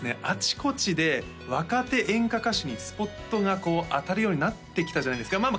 あちこちで若手演歌歌手にスポットがこう当たるようになってきたじゃないですか？